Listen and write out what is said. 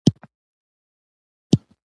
د زوجونو تعدد او سرپرستي.